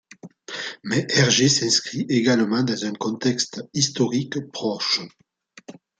Mais Hergé s'inscrit également dans un contexte historique proche.